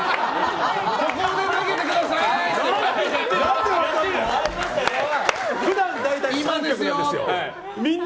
ここで投げてください！みたいな。